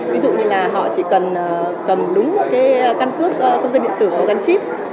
ví dụ như là họ chỉ cần cầm đúng một căn cước công dân điện tử có gắn chip